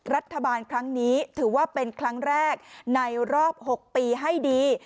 รัฐบาลครั้งนี้ถือว่าเป็นครั้งแรกในรอบ๖ปีให้ดี